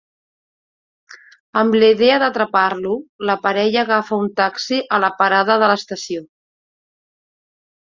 Amb la idea d'atrapar-lo, la parella agafa un taxi a la parada de l'estació.